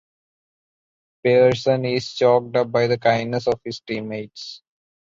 Pearson is choked up by the kindness of his teammates.